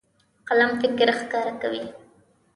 قلم فکر ښکاره کوي.